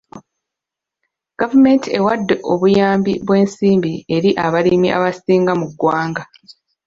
Gavumenti ewadde obuyambi bw'ensimbi eri abalimi abasinga mu ggwanga.